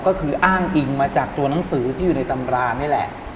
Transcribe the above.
ก็คืออ้างอิงมาจากตัวหนังสือที่อยู่ในตำรานี่แหละ